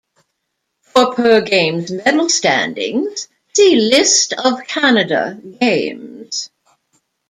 For per Games medal standings see List of Canada Games.